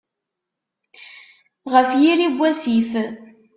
Ɣef yiri n wasif.